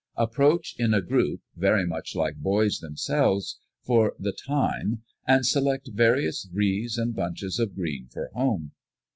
approach in a group, very much like boys themselves, for the time, and select various wreaths and bunches of green for home.